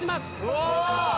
お！